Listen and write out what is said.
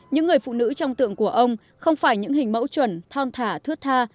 những người phụ nữ trong tượng của ông không phải những hình mẫu chuẩn thon thả thước tha